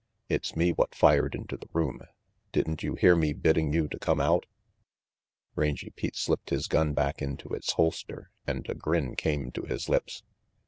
It's me what fired into the room. Didn't you hear me bidding you to come out?" Rangy Pete slipped his gun back into its holster and a grin came to his lips.